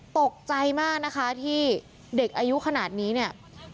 ตกใจมากนะคะที่เด็กอายุขนาดนี้เนี่ย